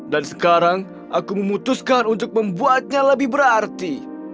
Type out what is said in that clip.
dan sekarang aku memutuskan untuk membuatnya lebih berarti